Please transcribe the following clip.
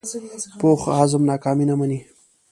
پوخ عزم ناکامي نه مني